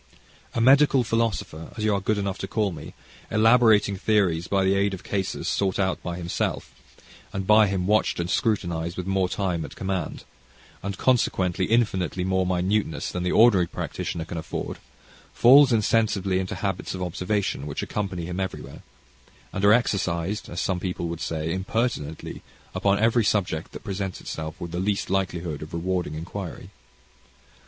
A medical philosopher, as you are good enough to call me, elaborating theories by the aid of cases sought out by himself, and by him watched and scrutinised with more time at command, and consequently infinitely more minuteness than the ordinary practitioner can afford, falls insensibly into habits of observation, which accompany him everywhere, and are exercised, as some people would say, impertinently, upon every subject that presents itself with the least likelihood of rewarding inquiry.